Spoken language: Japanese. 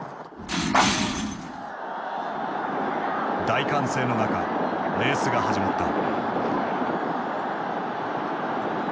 大歓声の中レースが始まった。